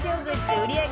売り上げ